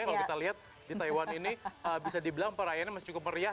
kalau kita lihat di taiwan ini bisa dibilang perayaannya masih cukup meriah